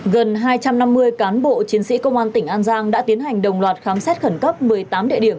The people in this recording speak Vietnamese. gần hai trăm năm mươi cán bộ chiến sĩ công an tỉnh an giang đã tiến hành đồng loạt khám xét khẩn cấp một mươi tám địa điểm